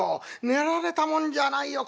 寝られたもんじゃないよ